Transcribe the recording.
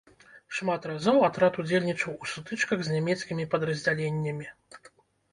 Шмат разоў атрад удзельнічаў у сутычках з нямецкімі падраздзяленнямі.